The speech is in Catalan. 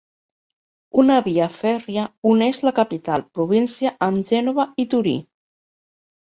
Una via fèrria uneix la capital província amb Gènova i Torí.